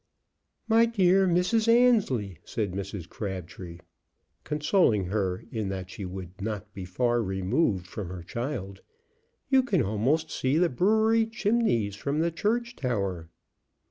"My dear Mrs. Annesley," said Mrs. Crabtree, consoling her in that she would not be far removed from her child, "you can almost see the brewery chimneys from the church tower."